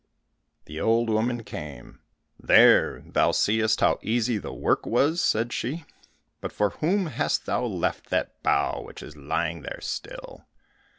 '" The old woman came, "There thou seest how easy the work was!" said she; "but for whom hast thou left that bough which is lying there still?"